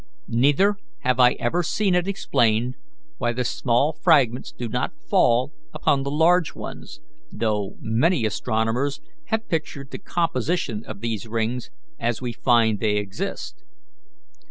Neither have I ever seen it explained why the small fragments do not fall upon the large ones, though many astronomers have pictured the composition of these rings as we find they exist.